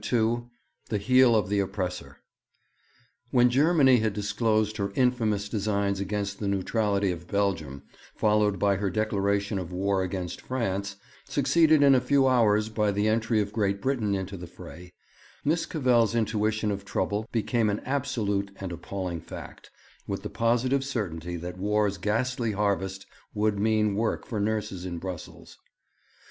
II THE HEEL OF THE OPPRESSOR When Germany had disclosed her infamous designs against the neutrality of Belgium, followed by her declaration of war against France, succeeded in a few hours by the entry of Great Britain into the fray, Miss Cavell's intuition of trouble became an absolute and appalling fact, with the positive certainty that war's ghastly harvest would mean work for nurses in Brussels.